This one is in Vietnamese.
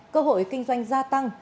cơ hội kinh doanh gia tăng